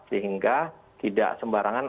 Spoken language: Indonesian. sehingga tidak sembarangan